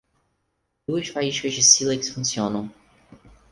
Duas faíscas de sílex funcionam.